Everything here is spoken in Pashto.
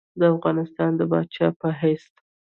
د افغانستان د پاچا په حیث.